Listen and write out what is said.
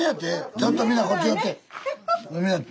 ちょっと皆こっち寄って。